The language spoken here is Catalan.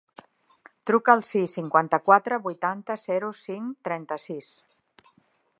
Truca al sis, cinquanta-quatre, vuitanta, zero, cinc, trenta-sis.